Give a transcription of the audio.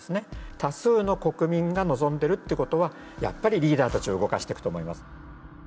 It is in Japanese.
多数の国民が望んでるってことはやっぱりリーダーたちを動かしていくと思います。